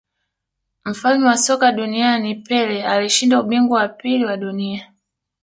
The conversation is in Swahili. mfalme wa soka duniani Pele alishinda ubingwa wa pili wa dunia